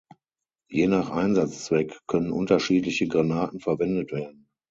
Je nach Einsatzzweck können unterschiedliche Granaten verwendet werden.